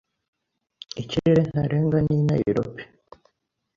Ikirere ntarengwa ni I nayilobi.